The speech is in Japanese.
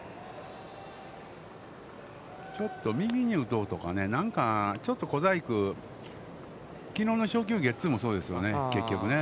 ちょっと右に打とうとかね、何かちょっと小細工、きのうの初球ゲッツーもそうですよね、結局ね。